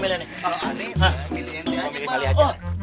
siapa yang pilih ini